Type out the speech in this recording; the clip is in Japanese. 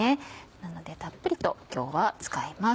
なのでたっぷりと今日は使います。